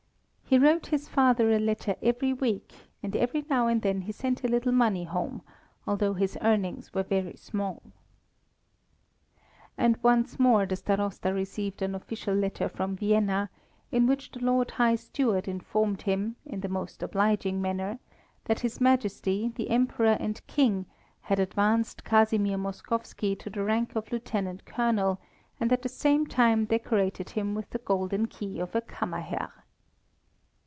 He wrote his father a letter every week, and every now and then he sent a little money home, although his earnings were very small. And once more the Starosta received an official letter from Vienna, in which the Lord High Steward informed him, in the most obliging manner, that his Majesty, the Emperor and King, had advanced Casimir Moskowski to the rank of lieutenant colonel, and at the same time decorated him with the golden key of a Kammerherr.